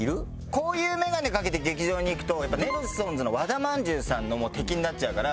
こういうメガネかけて劇場に行くとやっぱネルソンズの和田まんじゅうさんの敵になっちゃうから。